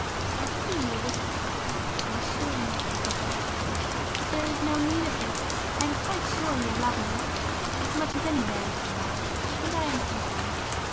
I see you wish to protest, and assure me of your devotion,—but there is no need of this,—I am quite sure you love me,—as much as any man can love,—and I am content.